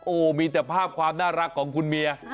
โอ้โหมีแต่ภาพความน่ารักของคุณเมีย